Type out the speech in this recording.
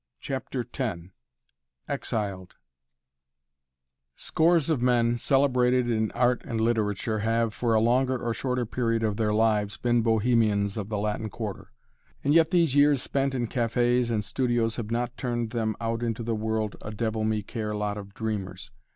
CHAPTER X EXILED Scores of men, celebrated in art and in literature, have, for a longer or shorter period of their lives, been bohemians of the Latin Quarter. And yet these years spent in cafés and in studios have not turned them out into the world a devil me care lot of dreamers.